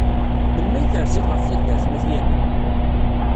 Melmi ay terziḍ ɣef taddart n At Yanni?